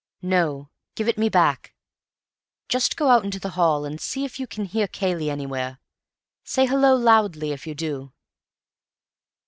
"No, give it me back. Just go out into the hall, and see if you can hear Cayley anywhere. Say 'Hallo' loudly, if you do."